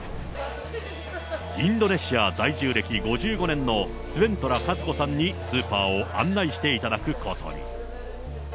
インドネシア在住歴５５年のスウェントラ和子さんにスーパーを案内していただくことに。